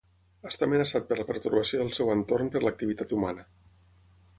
Està amenaçat per la pertorbació del seu entorn per l'activitat humana.